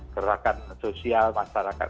gerakan sosial masyarakat